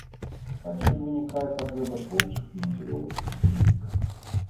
Адсюль вынікае патрэба творчых камандзіровак пісьменніка.